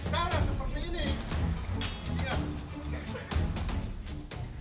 cara seperti ini